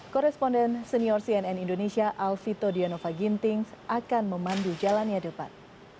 korresponden senior cnn indonesia alfito dianova ginting akan memandu jalannya depan